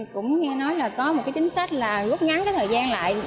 cũng nghe nói là có một cái chính sách là rút ngắn cái thời gian lại